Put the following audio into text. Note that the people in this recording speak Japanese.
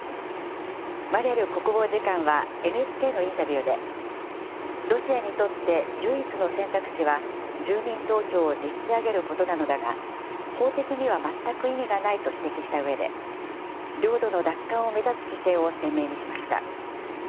マリャル国防次官はＮＨＫのインタビューで、ロシアにとって唯一の選択肢は、住民投票をでっちあげることなのだが、法的には全く意味がないと指摘したうえで、領土の奪還を目指す姿勢を鮮明にしました。